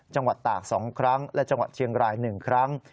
ตาก๒ครั้งและจังหวัดเชียงราย๑ครั้ง